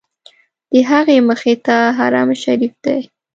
د هغې مخې ته حرم شریف دی.